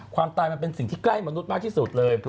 ความตายมันเป็นสิ่งที่ใกล้มนุษย์มากที่สุดเลย